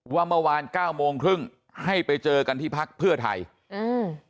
ว่าเมื่อวานเก้าโมงครึ่งให้ไปเจอกันที่พักเพื่อไทยอืม